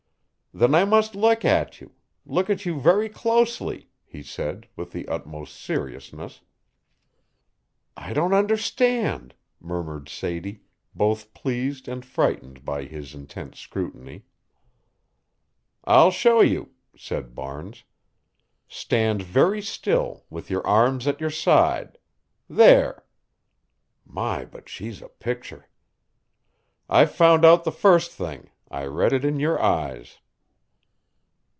"Then I must look at you look at you very closely," he said, with the utmost seriousness. "I don't understand," murmured Sadie, both pleased and frightened by his intense scrutiny. "I'll show you," said Barnes. "Stand very still, with your arms at your side there! (my, but she's a picture!) I've found out the first thing I read it in your eyes."